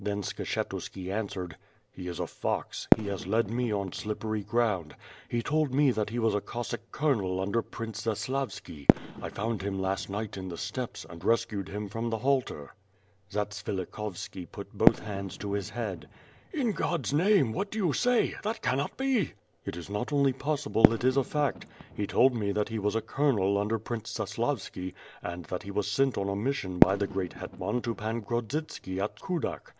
^' Then Skshetuski answered. "He is a fox; he has led me on slippery ground. He told me that he was a Cossack Colonel under Prince Zaslavski. I found him last night in the steppes, and rescued him from the halter." ZatsvilikhoYski put both hands to his head. "In Qod^s name what do you say? That cannot be!" "It is not only possible, it is a fact. He told me that he was a Colonel under Prince Zaslavski, and that he was sent on a mission by the great Hetman to Pan Grodzitski at Kudak.